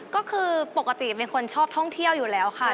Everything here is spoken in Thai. ก็คือปกติเป็นคนชอบท่องเที่ยวอยู่แล้วค่ะ